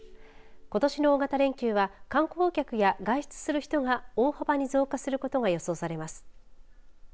ことしの大型連休は観光客や外出する人が大幅に増加することが予想されます。